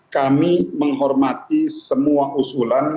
kami menghormati semua usulan